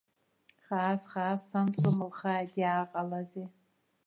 Хаас, хаас, сан слымылхааит, иааҟалазеи!